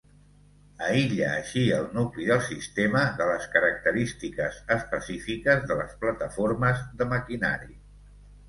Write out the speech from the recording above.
Aïlla així el nucli del sistema de les característiques específiques de les plataformes de maquinari.